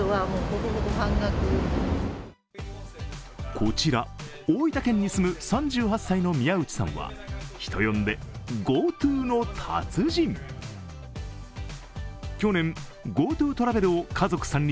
こちら、大分県に住む３８歳の宮内さんは人呼んでＧｏＴｏの達人。